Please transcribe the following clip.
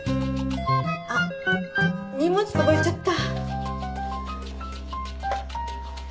あっ荷物届いちゃった。